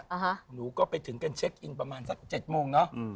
หนูก็ไปถึงกันเช็คอินประมาณสักเจ็ดโมงเนอะอืม